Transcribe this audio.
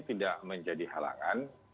tidak menjadi halangan